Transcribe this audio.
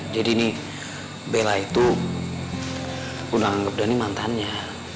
jadi ini bella itu udah anggap dani mantannya